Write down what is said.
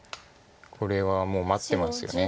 これはもう待ってますよね